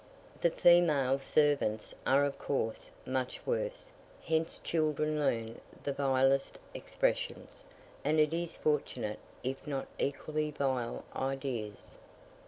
The female servants are of course, much worse: hence children learn the vilest expressions, and it is fortunate, if not equally vile ideas.